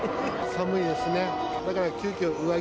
寒いですね。